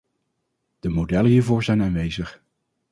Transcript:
De modellen hiervoor zijn aanwezig.